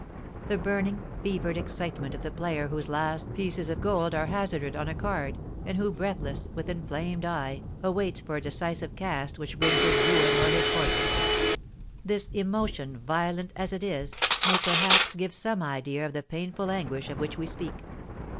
The burning, fevered excitement of the player whose last pieces of gold are hazarded on a card, and who, breathless, with inflamed eye, awaits for a decisive cast which brings his ruin or his fortune, this emotion, violent as it is, may perhaps give some idea of the painful anguish of which we speak.